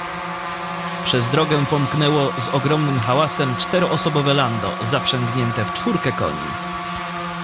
"Przez drogę pomknęło z ogromnym hałasem czteroosobowe lando, zaprzężone w czwórkę koni."